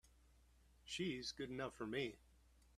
She's good enough for me!